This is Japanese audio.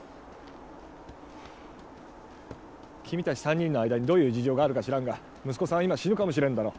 君たち３人の間にどういう事情があるか知らんが息子さんは今死ぬかもしれんだろう。